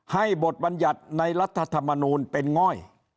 บทบัญญัติในรัฐธรรมนูลเป็นง่อย